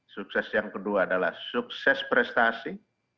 sukses yang kedua adalah sukses prestasi